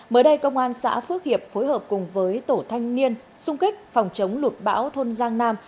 mới đây công an xã phước hiệp phối hợp cùng với tổ thanh niên xung kích phòng chống lụt bão thôn giang nam